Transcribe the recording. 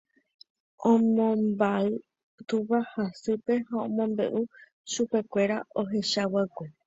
Omombáy túva ha sýpe ha omombe'u chupekuéra ohechava'ekue.